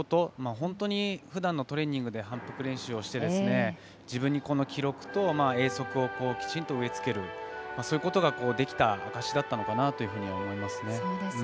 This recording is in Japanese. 本当にふだんのトレーニングで反復練習をして自分にこの記録と泳速をきちんと植えつけるそういうことができた証しだったのかなと思います。